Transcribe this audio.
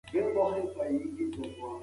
اقتصاد د ژوند تیرولو د لارو چارو مطالعه ده.